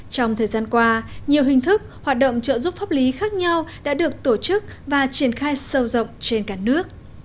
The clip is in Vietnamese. trong thời gian qua nhiều hình thức hoạt động trợ giúp pháp lý khác nhau đã được tổ chức và triển khai sâu rộng trên cả nước